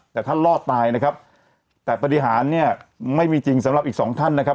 แต่ท่านรอดตายนะครับแต่ปฏิหารเนี่ยไม่มีจริงสำหรับอีกสองท่านนะครับ